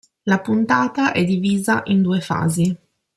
La puntata è divisa in due fasi.